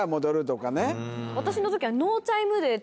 私の時は。